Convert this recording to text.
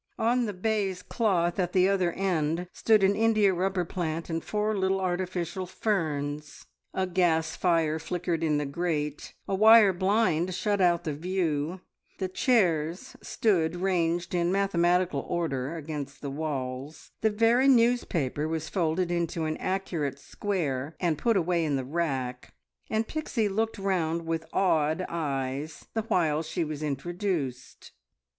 On the baize cloth at the other end stood an indiarubber plant and four little artificial ferns. A gas fire flickered in the grate, a wire blind shut out the view, the chairs stood ranged in mathematical order against the walls, the very newspaper was folded into an accurate square and put away in the rack, and Pixie looked round with awed eyes the while she was introduced.